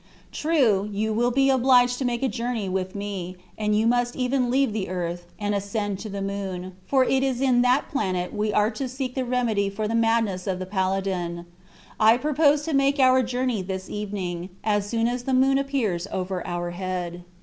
True, you will be obliged to make a journey with me, and we must even leave the earth, and ascend to the moon, for it is in that planet we are to seek the remedy for the madness of the paladin. I propose to make our journey this evening, as soon as the moon appears over our head."